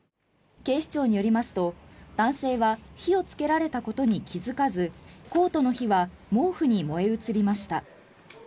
警視庁によりますと、男性は火をつけられたことに気付かずコートの火は毛布に燃え移りました。